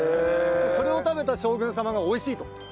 それを食べた将軍様が美味しい！と。